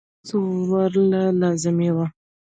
د هغې لوست ورله لازمي وۀ -